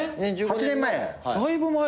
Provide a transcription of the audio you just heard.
８年前や。